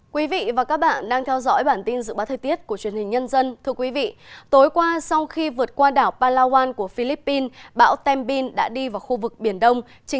các bạn hãy đăng ký kênh để ủng hộ kênh của chúng mình nhé